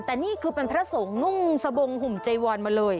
แต่นี่คือเป็นพระสงฆ์นุ่งสะบงห่มใจวอนมาเลย